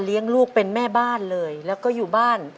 ลูกเป็นแม่บ้านเลยแล้วก็อยู่บ้าน